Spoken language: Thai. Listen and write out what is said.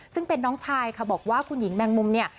ซึ่งเป็นน้องชายค่ะบอกว่าคุณหญิงแมงมุมเนี่ย